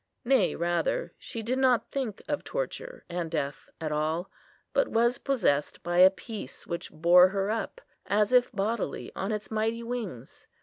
Nay, rather, she did not think of torture and death at all, but was possessed by a peace which bore her up, as if bodily, on its mighty wings.